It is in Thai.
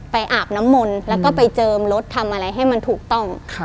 อาบน้ำมนต์แล้วก็ไปเจิมรถทำอะไรให้มันถูกต้อง